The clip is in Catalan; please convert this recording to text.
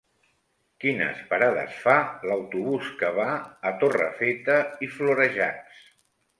Quines parades fa l'autobús que va a Torrefeta i Florejacs?